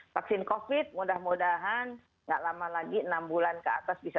vaksin covid mudah mudahan nggak lama lagi enam bulan ke atas bisa